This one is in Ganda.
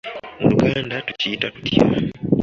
Mu Luganda tukiyita tutya?